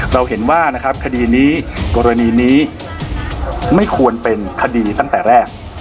เราเห็นว่านะครับคดีนี้กรณีนี้ไม่ควรเป็นคดีตั้งแต่แรก